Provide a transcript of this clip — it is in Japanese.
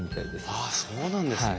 ああそうなんですね。